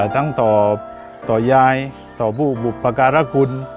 ทั้งต่อยายต่อผู้บุปการะคุณ